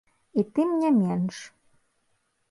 І тым не менш.